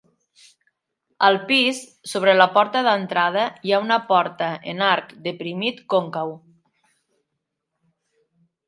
Al pis, sobre la porta d'entrada, hi ha una porta en arc deprimit còncau.